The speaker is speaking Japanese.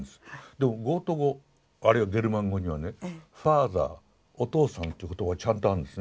でもゴート語あるいはゲルマン語にはねファーザーお父さんっていう言葉がちゃんとあるんですね。